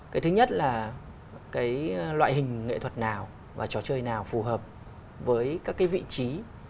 cái thứ nhất là cái loại hình nghệ thuật nào và trò chơi nào phù hợp với các cái vị trí